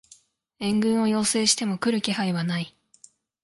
援軍を要請しても来る気配はない